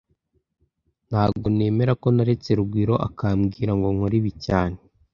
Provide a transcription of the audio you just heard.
Ntago nemera ko naretse Rugwiro akambwira ngo nkore ibi cyane